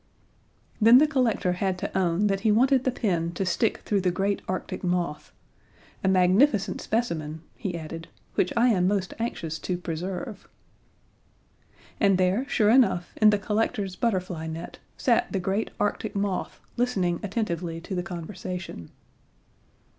Then the collector had to own that he wanted the pin to stick through the great Arctic moth, "a magnificent specimen," he added, "which I am most anxious to preserve." And there, sure enough, in the collector's butterfly net sat the great Arctic moth, listening attentively to the conversation.